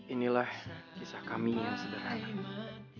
inilah kisah kami yang sederhana ini